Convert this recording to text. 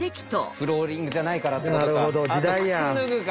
フローリングじゃないからってことか。